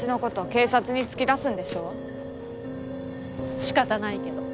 仕方ないけど。